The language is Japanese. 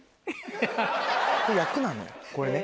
これ役なのこれね。